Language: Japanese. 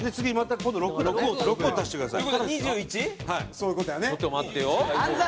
そういう事やね。